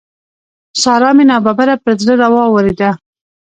سارا مې ناببره پر زړه را واورېده.